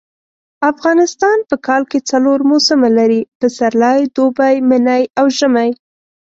افغانستان په کال کي څلور موسمه لري . پسرلی دوبی منی او ژمی